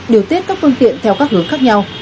điều tiết các phương tiện theo các hướng khác nhau